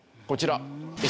こちら。